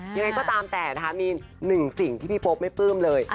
ยังไงก็ตามแต่นะคะมีหนึ่งสิ่งที่พี่โป๊ปไม่ปลื้มเลย